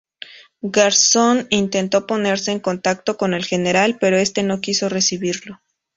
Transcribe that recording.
Garzón intentó ponerse en contacto con el General, pero este no quiso recibirlo.